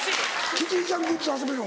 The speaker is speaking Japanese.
キティちゃんグッズ集めるの？